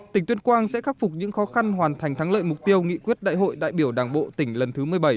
tỉnh tuyên quang sẽ khắc phục những khó khăn hoàn thành thắng lợi mục tiêu nghị quyết đại hội đại biểu đảng bộ tỉnh lần thứ một mươi bảy